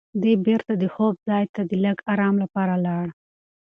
دی بېرته د خوب ځای ته د لږ ارام لپاره لاړ.